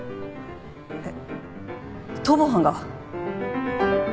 えっ逃亡犯が！？